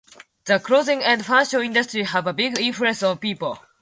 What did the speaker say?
The clothing and fashion industry have a big influence on people.